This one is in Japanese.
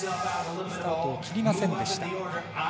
スタートを切りませんでした。